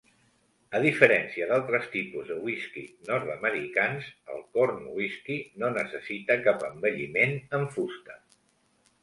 A diferència d'altres tipus de whisky nord-americans, el corn whisky no necessita cap envelliment en fusta.